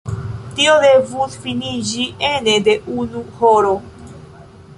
Tio devus finiĝi ene de unu horo.